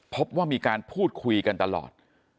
พบว่ามีการพูดคุยกันตลอด